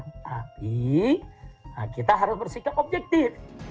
tapi kita harus bersikap objektif